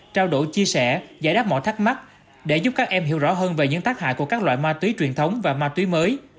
trao đổi chia sẻ giải đáp mọi thắc mắc để giúp các em hiểu rõ hơn về những tác hại của các loại ma túy truyền thống và ma túy mới